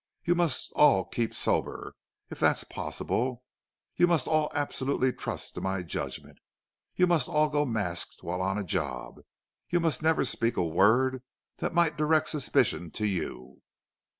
You must all keep sober, if that's possible. You must all absolutely trust to my judgment. You must all go masked while on a job. You must never speak a word that might direct suspicion to you.